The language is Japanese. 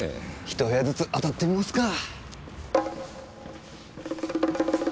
ひと部屋ずつ当たってみますか。